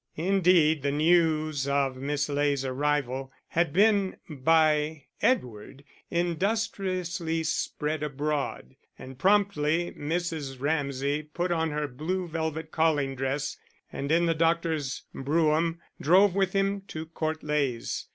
Indeed the news of Miss Ley's arrival had been by Edward industriously spread abroad, and promptly Mrs. Ramsay put on her blue velvet calling dress, and in the doctor's brougham drove with him to Court Leys.